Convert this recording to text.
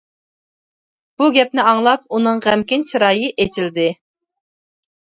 بۇ گەپنى ئاڭلاپ، ئۇنىڭ غەمكىن چىرايى ئېچىلدى.